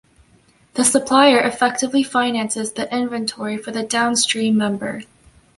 The supplier effectively finances the inventory for the downstream member.